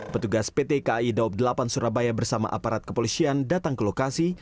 petugas pt kai daob delapan surabaya bersama aparat kepolisian datang ke lokasi